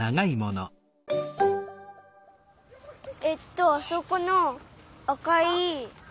えっとあそこのあかい。